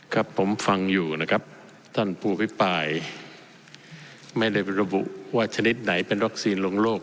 ครับผมฟังอยู่นะครับท่านผู้อภิปรายไม่ได้ระบุว่าชนิดไหนเป็นวัคซีนลงโลก